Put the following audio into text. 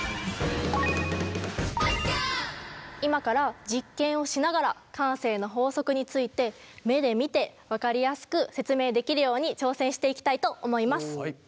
今から実験をしながら慣性の法則について目で見て分かりやすく説明できるように挑戦していきたいと思います。